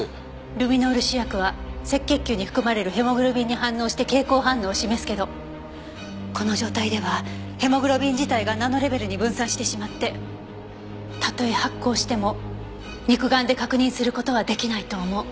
ルミノール試薬は赤血球に含まれるヘモグロビンに反応して蛍光反応を示すけどこの状態ではヘモグロビン自体がナノレベルに分散してしまってたとえ発光しても肉眼で確認する事は出来ないと思う。